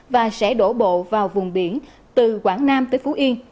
và sẽ đổ bộ vào vùng biển từ quảng nam tới phú yên